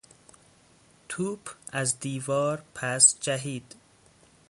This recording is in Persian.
توپ از دیوار پس جهید.